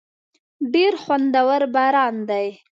ډېر خوندور باران دی.